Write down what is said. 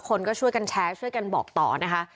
คนก็ช่วยกันแชร์ช่วยกันบอกต่อนะคะ